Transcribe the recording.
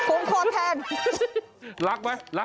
เอาอะไรล่ะ